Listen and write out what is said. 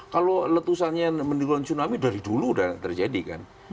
kalau letusannya menimbulkan tsunami dari dulu sudah terjadi kan